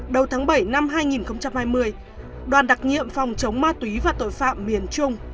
đầu tháng bảy năm hai nghìn hai mươi đoàn đặc nhiệm phòng chống ma túy và tội phạm miền trung